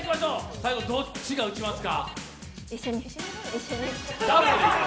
最後どちらが打ちますか？